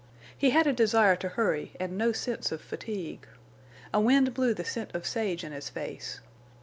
He had a desire to hurry and no sense of fatigue. A wind blew the scent of sage in his face.